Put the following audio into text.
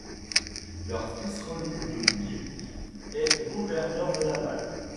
Leur fils René de Bouillé est Gouverneur de Laval.